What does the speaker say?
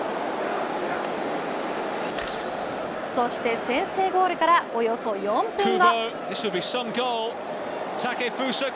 そして先制ゴールからおよそ４分後。